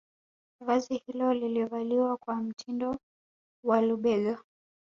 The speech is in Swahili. Vazi hilo lilivaliwa kwa mtindo wa lubega